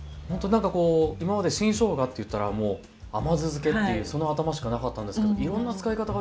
今まで新しょうがっていったらもう甘酢漬けっていうその頭しかなかったんですけどいろんな使い方ができるんですね。